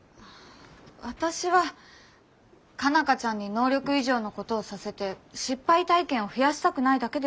私は佳奈花ちゃんに能力以上のことをさせて失敗体験を増やしたくないだけです。